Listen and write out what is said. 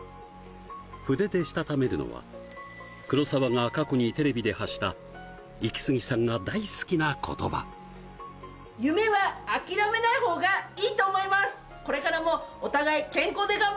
筆でしたためるのは黒沢が過去にテレビで発したイキスギさんが大好きな言葉「夢はあきらめないほうがいいと思います」